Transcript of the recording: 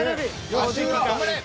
よしっ頑張れ。